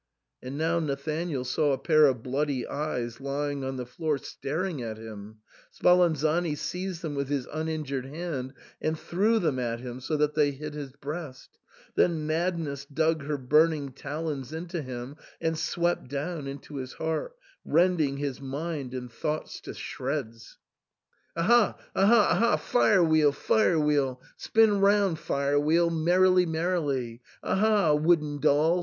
And now Nathanael saw a pair of bloody eyes lying on the floor staring at him ; Spalan zani seized them with his uninjured hand and threw them at him, so that they hit his breast. Then mad ness dug her burning talons into him and swept down into his heart, rending his mind and thoughts to shreds. 2IO THE SAND MAN. "Aha ! aha ! aha ! Fire wheel — fire wheel ! Spin round, fire wheel ! merrily, merrily ! Aha ! wooden doll